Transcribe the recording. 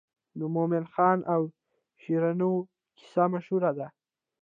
د مومن خان او شیرینو کیسه مشهوره ده.